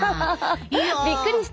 いや。びっくりした？